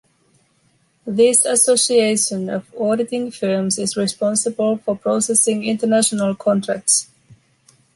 This association of auditing firms is responsible for processing international contracts.